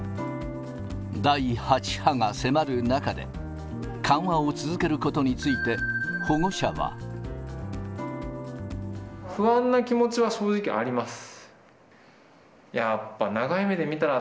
第８波が迫る中で、緩和を続けることについて、不安な気持ちは正直あります。